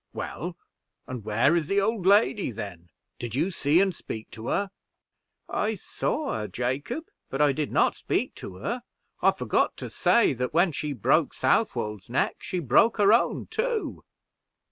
"Well, and where is the old lady, then? Did you see and speak to her?" "I saw her, Jacob, but I did not speak to her. I forgot to say that, when she broke Southwold's neck, she broke her own too."